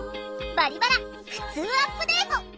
「バリバラふつうアップデート」！